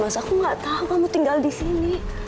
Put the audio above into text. mas aku gak tahu kamu tinggal di sini